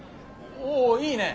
おおいいね。